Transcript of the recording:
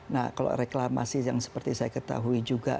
nah kalau reklamasi yang seperti saya ketahui juga